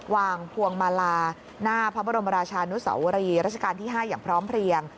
พวงมาลาหน้าพระบรมราชานุสวรีรัชกาลที่๕อย่างพร้อมเพลียง